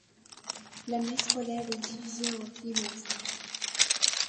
L'année scolaire est divisée en trimestres.